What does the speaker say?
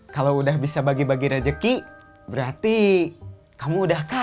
kalau sudah bisa bagi bagi rezeki berarti kamu sudah berhasil